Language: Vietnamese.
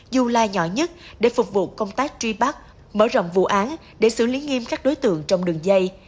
dù là nhỏ nhất để phục vụ công tác truy bắt mở rộng vụ án để xử lý nghiêm các đối tượng trong đường dây